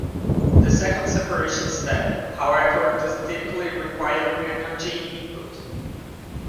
The second separation step, however does typically require energy input.